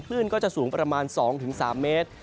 คลื่นก็จะสูงประมาณ๒๓เมตร